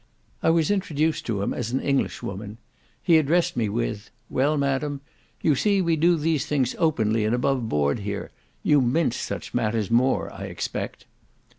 I was introduced to him as an English woman: he addressed me with, "Well madam, you see we do these things openly and above board here; you mince such matters more, I expect."